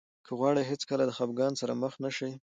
که غواړئ هېڅکله د خفګان سره مخ نه شئ.